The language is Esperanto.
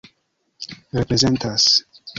reprezentas